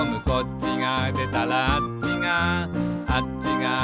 「こっちがでたらあっちが」